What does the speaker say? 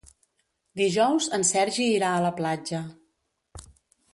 Dijous en Sergi irà a la platja.